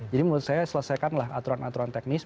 jadi menurut saya selesaikanlah aturan aturan teknis